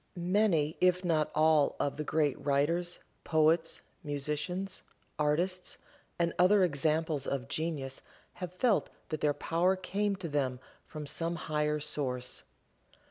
Many, if not all of the great writers, poets, musicians, artists and other examples of genius have felt that their power came to them from some higher source.